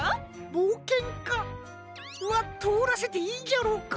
ぼうけんかはとおらせていいんじゃろうか？